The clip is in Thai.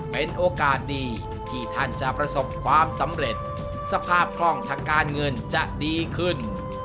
เป็นโอกาสดีที่ท่านจะประสบความสำเร็จสภาพคล่องทางการเงินจะดีขึ้น